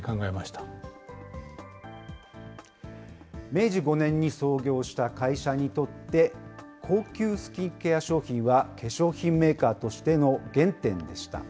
明治５年に創業した会社にとって、高級スキンケア商品は、化粧品メーカーとしての原点でした。